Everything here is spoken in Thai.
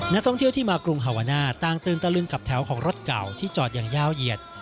นักท่องเที่ยวที่มากรุงฮาวาน่าต่างตื่นตะลึงกับแถวของรถเก่าที่จอดอย่างยาวเหยียด